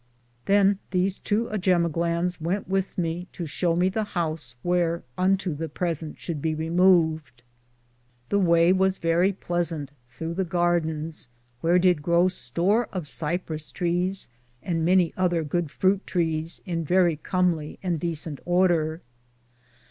Than these 2 jemoglanes wente with me to show me the house wheare unto the presente should be removed. The waye was verrie pleasante throughte the garthens, whear did grow store of siprus trees and many orther good frute trees in verrie comly and desent order.